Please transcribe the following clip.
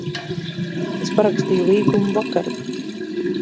Es parakstīju līgumu vakar.